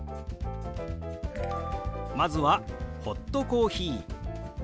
まずは「ホットコーヒー」。